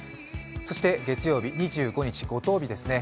そして月曜日２５日五十日ですね。